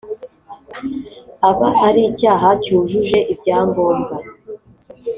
aba ari icyaha cyujuje ibyangombwa.